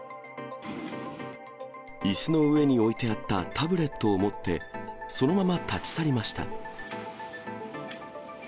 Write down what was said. いすの上に置いてあったタブレットを持って、そのまま立ち去りました。